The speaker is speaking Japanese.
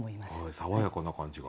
爽やかな感じが。